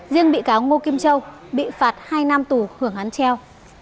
riêng bị cáo ngô kim châu bị phạt hai năm tù hưởng án treo